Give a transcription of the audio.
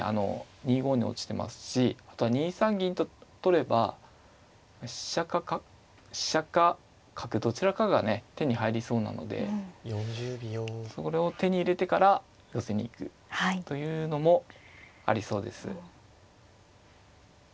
２五に落ちてますしあとは２三銀と取れば飛車か角どちらかがね手に入りそうなのでそれを手に入れてから寄せに行くというのもありそうです。